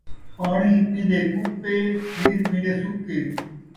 پاݨی پیندے کُپے، کھیر پیندے سُکے